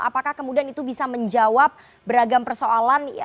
apakah kemudian itu bisa menjawab beragam persoalan